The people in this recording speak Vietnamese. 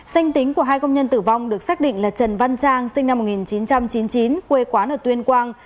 sanh tính của hai công nhân tử vong được xác định là trần văn trang sinh năm một nghìn chín trăm chín mươi chín quê quán ở tuyên quang